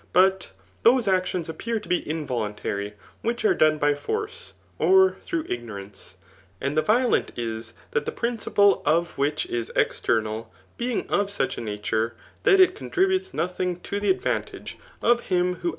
But those actions appear to be involuntary which are done by force, or through ignorance. And the violent is that the principle of which is external, being of such a nature, that it contributes nothing to the advantage of him who Digitized by Google 76 THE NlCPMACHliAN BOOK III.